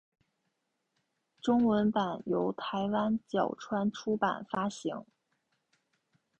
中文版由台湾角川出版发行。